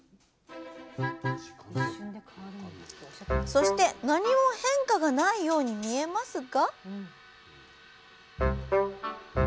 そして何も変化がないように見えますが？